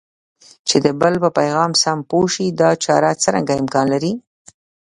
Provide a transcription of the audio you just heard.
چې د بل په پیغام سم پوه شئ دا چاره څرنګه امکان لري؟